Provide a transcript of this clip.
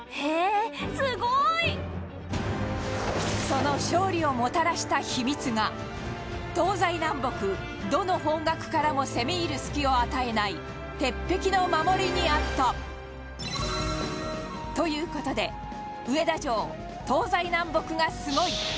その勝利をもたらした秘密が東西南北、どの方角からも攻め入る隙を与えない鉄壁の守りにあったという事で、上田城東西南北が、すごい！